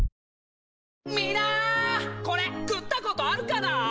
みんなこれ食ったことあるかな？